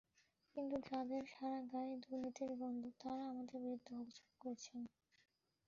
কিন্তু যাদের সারা গায়ে দুর্নীতির গন্ধ, তারা আমাদের বিরুদ্ধে অভিযোগ করছেন।